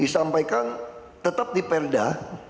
disampaikan tetap di perda